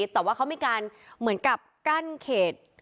แต่ว่าเขามีการเหมือนกับกั้นเขต